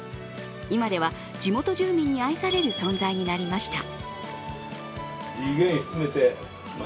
今では地元住民に愛される存在になりました。